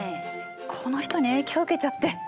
この人に影響受けちゃって。